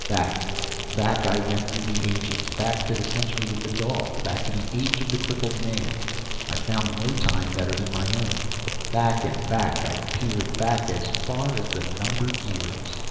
Back, back I went through the ages. Back to the Century of the Dog, back to the Age of the Crippled Men. I found no time better than my own. Back and back I peered, back as far as the Numbered Years.